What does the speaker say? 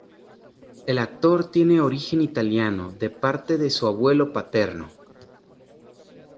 El actor tiene origen italiano de parte de su abuelo paterno.